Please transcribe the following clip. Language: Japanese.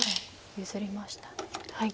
譲りました。